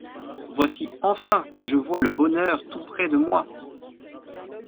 Voici enfin que je vois le bonheur tout près de moi!